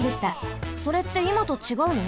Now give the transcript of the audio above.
それっていまとちがうの？